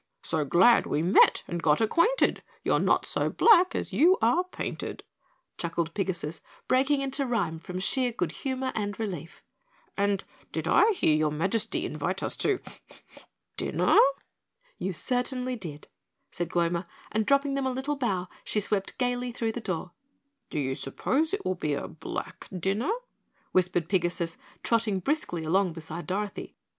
"So glad we met and got acquainted, You're not so black as you are painted!" chuckled Pigasus, breaking into rhyme from sheer good humor and relief. "And did I hear your Majesty invite us to dinner?" "You certainly did," said Gloma, and dropping them a little bow, she swept gaily through the door. "D'ye suppose it will be a black dinner?" whispered Pigasus, trotting briskly along beside Dorothy.